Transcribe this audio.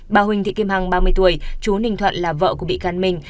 bà huỳnh thị kim hằng ba mươi tuổi chú ninh thuận là vợ của bị can mình